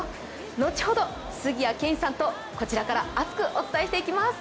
後ほど、杉谷拳士さんとこちらからお伝えしていきます。